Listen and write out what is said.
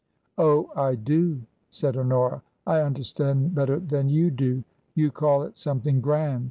" Oh, I do !" said Honora. " I understand better than you do. You call it something grand.